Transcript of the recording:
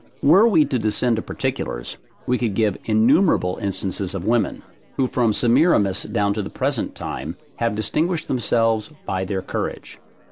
Were we to descend to particulars, we could give innumerable instances of women, who from Semiramis down to the present time, have distinguished themselves by their courage.